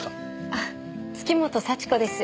あっ月本幸子です。